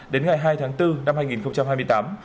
đến ngày hai tháng bốn năm hai nghìn hai mươi tám